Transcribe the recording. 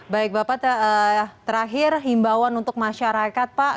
baik bapak terakhir himbauan untuk masyarakat pak